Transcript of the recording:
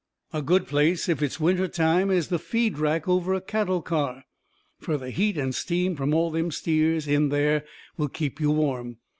A good place, if it is winter time, is the feed rack over a cattle car, fur the heat and steam from all them steers in there will keep you warm.